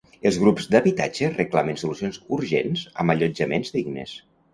Els grups d'habitatge reclamen solucions urgents amb allotjaments dignes.